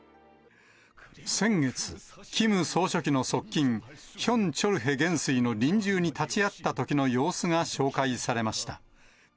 先月、キム総書記の側近、ヒョン・チョルヘ元帥の臨終に立ち会ったときの様子が紹介されました。